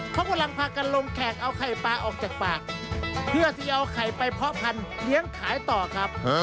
เขากำลังพากันลงแขกเอาไข่ปลาออกจากปากเพื่อที่จะเอาไข่ไปเพาะพันธุ์เลี้ยงขายต่อครับ